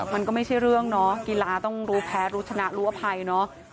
มันก็ไม่ใช่เรื่องเนาะกีฬาต้องรู้แพ้รู้ชนะรู้อภัยเนอะ